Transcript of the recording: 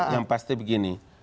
yang pasti begini